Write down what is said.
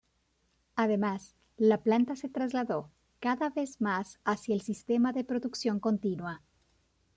Además la planta se trasladó cada vez más hacia el sistema de producción continua.